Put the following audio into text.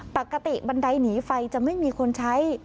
บันไดหนีไฟจะไม่มีคนใช้